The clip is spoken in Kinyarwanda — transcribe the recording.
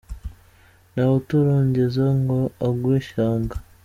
Nta wutorongeza ngo agwe ishyanga !